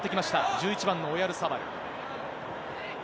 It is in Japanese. １１番のオヤルサバル。